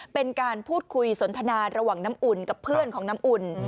เป็นการพูดคุยสนทนาระหว่างน้ำอุ่นกับเพื่อนของน้ำอุ่น